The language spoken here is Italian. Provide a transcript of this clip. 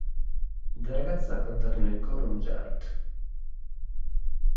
Da ragazza ha cantato nel coro Musarit.